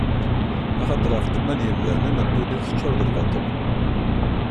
Axaṭer ɣef ddemma n yemdanen, ddunit teččuṛ d lbaṭel.